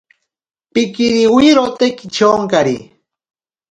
Pikiriwirote kityonkari.